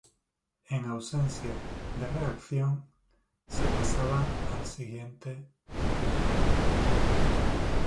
En ausencia de reacción, se pasaba al siguiente dios.